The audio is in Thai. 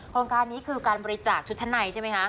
โครงการนี้คือการบริจาคชุดชั้นในใช่ไหมคะ